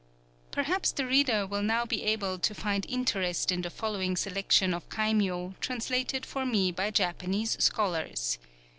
_] Perhaps the reader will now be able to find interest in the following selection of kaimyō, translated for me by Japanese scholars.